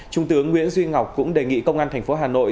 trung tướng nguyễn duy ngọc cũng đề nghị công an thành phố hà nội